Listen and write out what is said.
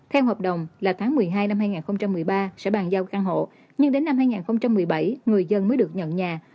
theo hợp đồng là tháng một mươi hai năm hai nghìn một mươi ba sẽ bàn giao căn hộ nhưng đến năm hai nghìn một mươi bảy người dân mới được nhận nhà